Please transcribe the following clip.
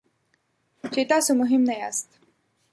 چې تاسو مهم نه یاست.